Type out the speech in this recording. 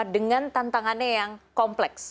dengan tantangannya yang kompleks